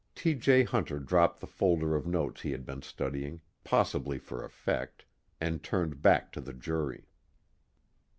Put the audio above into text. _ T. J. Hunter dropped the folder of notes he had been studying, possibly for effect, and turned back to the jury.